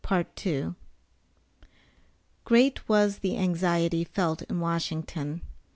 BIGELOW. Great was the anxiety felt in Washington.